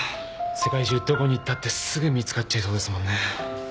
世界中どこに行ったってすぐ見つかっちゃいそうですもんね。